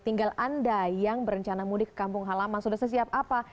tinggal anda yang berencana mudik ke kampung halaman sudah sesiap apa